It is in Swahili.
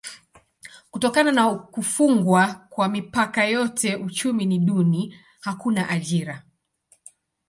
Kutokana na kufungwa kwa mipaka yote uchumi ni duni: hakuna ajira.